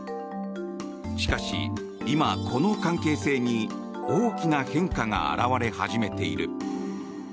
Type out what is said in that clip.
しかし、今、この関係性に大きな変化が表れ始めている。